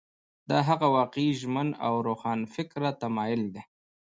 دا هغه واقعي ژمن او روښانفکره تمایل دی.